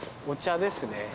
お茶ですね。